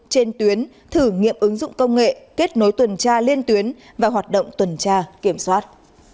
trên tuyến thử nghiệm ứng dụng công nghệ kết nối tuần tra liên tuyến và hoạt động tuần tra kiểm soát